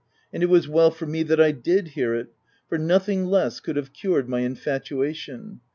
And it was well for me that I did hear it ; for nothing less could have cured my infatuation.